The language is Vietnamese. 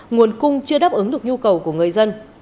nguồn cung chưa đáp ứng được nhu cầu của người dân